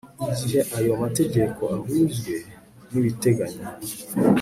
igihe ayo mategeko ahujwe n ibiteganywa